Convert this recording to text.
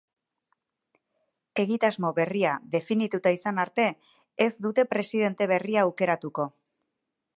Egitasmo berria definituta izan arte, ez dute presidente berria aukeratuko.